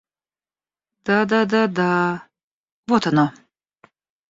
Да-да-да-да... Вот оно!